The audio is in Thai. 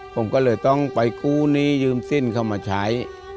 ผมก็เลยต้องไปกู้หนี้ยืมสินเข้ามาใช้